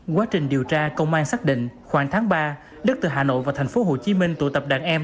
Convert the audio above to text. quá trình điều tra công an xác định khoảng tháng ba đức từ hà nội và tp hcm tụ tập đàn em